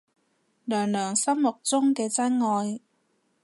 娘娘心目中嘅真愛